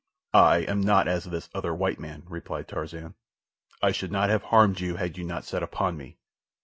"I am not as this other white man," replied Tarzan. "I should not have harmed you had you not set upon me.